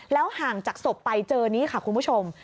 ห่างจากศพไปเจอนี้ค่ะคุณผู้ชม